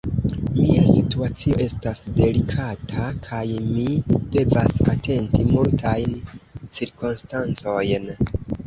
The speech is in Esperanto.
Mia situacio estas delikata, kaj mi devas atenti multajn cirkonstancojn.